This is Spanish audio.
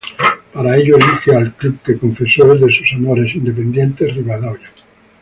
Para ello, elige al club que confesó es de sus amores, Independiente Rivadavia.